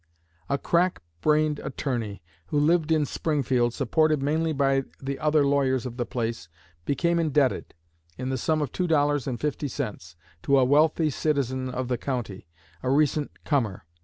"A crack brained attorney who lived in Springfield, supported mainly by the other lawyers of the place, became indebted, in the sum of two dollars and fifty cents, to a wealthy citizen of the county, a recent comer.